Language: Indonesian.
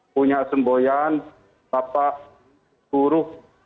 punya semboyan bapak guru